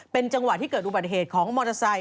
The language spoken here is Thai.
เป็นจังหวะที่เกิดอุบัติเหตุของมอเตอร์ไซค